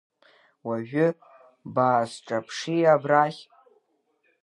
Уажәы баасҿаԥши абрахь.